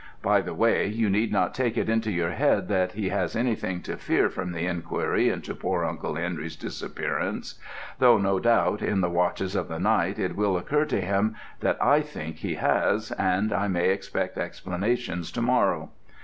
By the way, you need not take it into your head that he has anything to fear from the inquiry into poor Uncle Henry's disappearance though, no doubt, in the watches of the night it will occur to him that I think he has, and I may expect explanations to morrow.